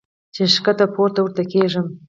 چې ښکته پورته ورته کېږم -